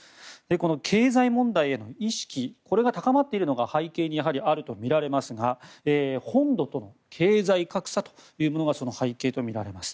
この経済問題への意識が高まっていることの背景にやはりあるとみられますが本土との経済格差というものが背景とみられます。